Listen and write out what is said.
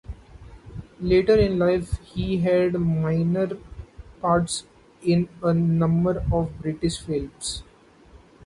Later in life he had minor parts in a number of British films.